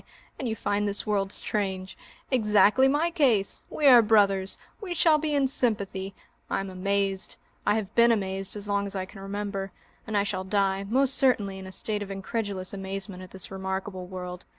And you find this world strange! Exactly my case! We are brothers! We shall be in sympathy. I am amazed, I have been amazed as long as I can remember, and I shall die, most certainly, in a state of incredulous amazement, at this remarkable world.